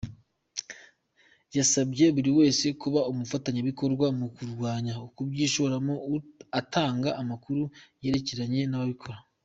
Yasabye buri wese kuba umufatanyabikorwa mu kurwanya ukubyishoramo atanga amakuru yerekeranye n’ababikora.